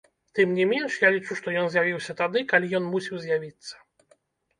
Тым не менш, я лічу, што ён з'явіўся тады, калі ён мусіў з'явіцца.